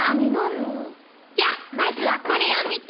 じゃまずはこれを見て。